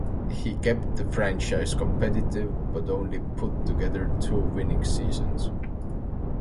He kept the franchise competitive, but only put together two winning seasons.